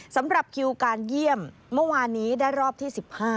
สำหรับคิวการเยี่ยมเมื่อวานนี้ได้รอบที่๑๕